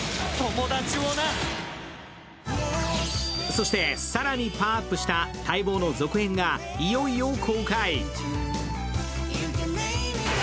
そして更にパワーアップした待望の続編がいよいよ公開。